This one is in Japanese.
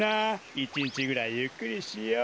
１にちぐらいゆっくりしよう。